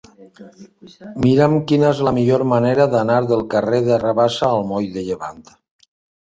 Mira'm quina és la millor manera d'anar del carrer de Rabassa al moll de Llevant.